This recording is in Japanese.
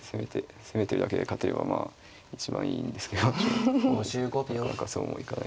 攻めてるだけで勝てればまあ一番いいんですけどなかなかそうもいかないですからね。